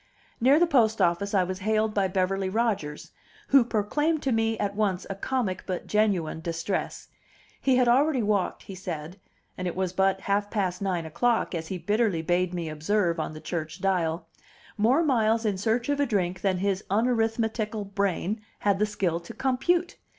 Near the post office I was hailed by Beverly Rodgers, who proclaimed to me at once a comic but genuine distress. He had already walked, he said (and it was but half past nine o'clock, as he bitterly bade me observe on the church dial), more miles in search of a drink than his unarithmetical brain had the skill to compute.